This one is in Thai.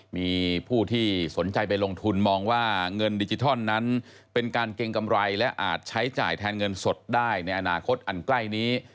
มีผู้ที่สนใจไปลงทุนมองว่าเงินดิจิทัลนั้นเป็นการเกรงกำไรและอาจใช้จ่ายแทนเงินสดได้ในอนาคตอันใกล้นี้